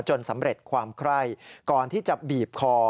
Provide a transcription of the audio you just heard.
สำเร็จความไคร้ก่อนที่จะบีบคอ